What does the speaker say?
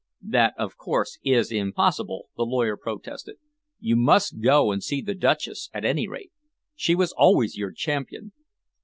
"That, of course, is impossible," the lawyer protested. "You must go and see the Duchess, at any rate. She was always your champion."